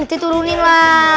bantuin turun aja